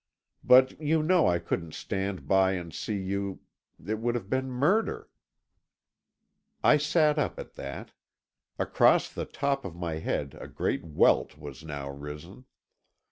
"But you know I couldn't stand by and see you—it would have been murder." I sat up at that. Across the top of my head a great welt was now risen.